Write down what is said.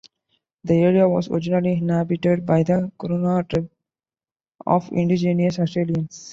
The area was originally inhabited by the Kaurna tribe of Indigenous Australians.